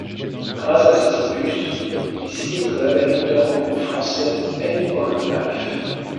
Grâce à cet opus, ils signent au label underground français End All Life.